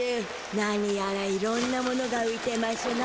なにやらいろんなものがういてましゅな